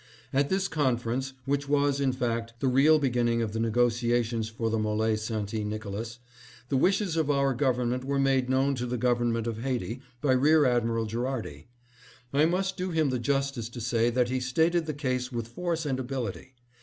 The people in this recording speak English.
At this conference, which was, in fact, the real begin ning of the negotiations for the Mole St. Nicolas, the wishes of our government were made known to the government of Haiti by Rear Admiral Gherardi ; and I must do him the justice to say that he stated the case with force and ability.